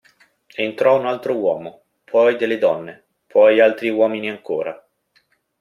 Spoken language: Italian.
Entrò un altro uomo, poi delle donne, poi altri uomini ancora.